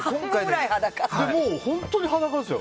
本当に裸ですよ。